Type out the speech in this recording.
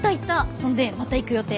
そんでまた行く予定。